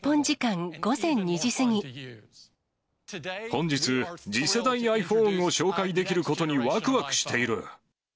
本日、次世代ｉＰｈｏｎｅを紹介できることにわくわくしている。